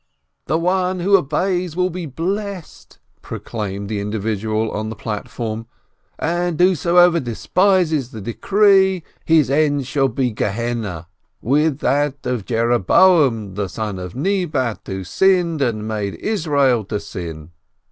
"The one who obeys will be blessed," proclaimed the individual on the platform, "and whoso despises the decree, his end shall be Gehenna, with that of Jeroboam, the son of Nebat, who sinned and made Israel to sin